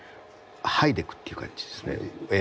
剥いでいくという感じですね。